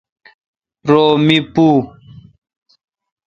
رو می پو۔